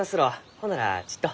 ほんならちっと。